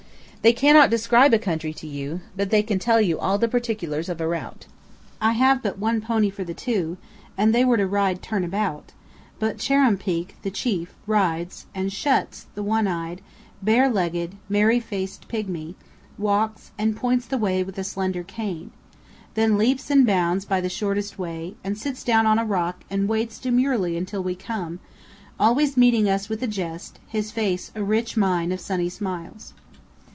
They cannot describe a country to you, but they can tell you all the particulars of a route. I have but one pony for the two, and they were to ride "turn about"; but Chuar'ruumpeak, the chief, rides, and Shuts, the one eyed, barelegged, merry faced pigmy, walks, and points the way with a slender cane; then leaps and bounds by the shortest way, and sits down on a rock and waits demurely until we come, always meeting us with a jest, his face a rich mine of sunny smiles.